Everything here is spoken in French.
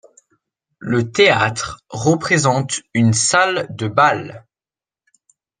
Le théâtre représente une salle de bal.